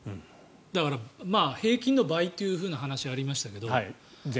だから、平均の倍という話がありましたけど。